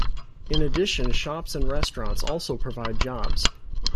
In addition shops and restaurants also provide jobs.